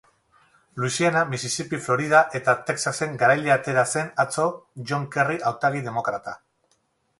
Louisiana, Mississippi, Florida eta Texasen garaile atera zen atzo John Kerry hautagai demokrata.